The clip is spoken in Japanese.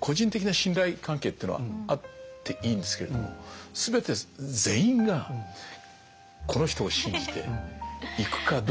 個人的な信頼関係っていうのはあっていいんですけれども全て全員がこの人を信じていくかどうか。